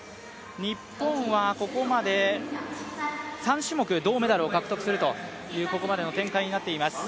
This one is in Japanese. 日本はここまで３種目、銅メダルを獲得するという展開になっています。